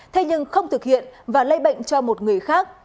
thế nhưng không thực hiện và lây bệnh cho một người khác